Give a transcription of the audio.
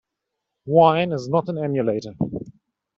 Wine is not an emulator.